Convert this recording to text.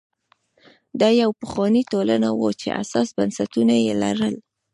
دا یوه پخوانۍ ټولنه وه چې حساس بنسټونه یې لرل.